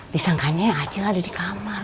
disangkanya aceh ada di kamar